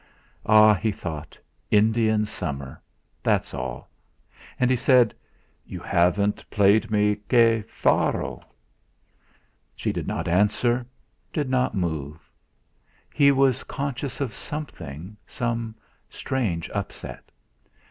'Ah!' he thought, 'Indian summer that's all!' and he said: "You haven't played me 'Che faro.'. She did not answer; did not move. He was conscious of something some strange upset.